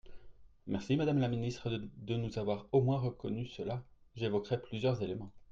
Merci, madame la ministre, de nous avoir au moins reconnu cela ! J’évoquerai plusieurs éléments.